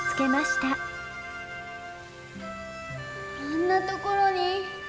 あんなところに。